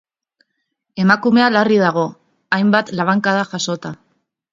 Emakumea larri dago, hainbat labankada jasota.